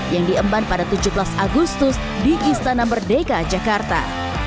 yang diemban pada tujuh belas agustus di istana merdeka jakarta